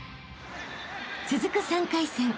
［続く３回戦］